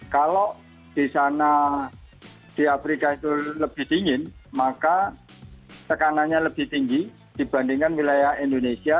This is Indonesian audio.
kalau di sana di afrika itu lebih dingin maka tekanannya lebih tinggi dibandingkan wilayah indonesia